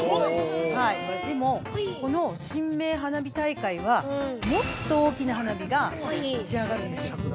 でも、この神明花火大会はもっと大きな花火が打ち上がるんですよ。